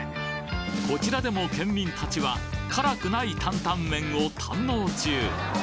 こちらでも県民たちは辛くないタンタンメンを堪能中